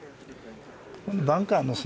バンカーの砂。